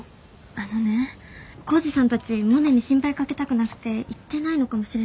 あのね耕治さんたちモネに心配かけたくなくて言ってないのかもしれないんだけど。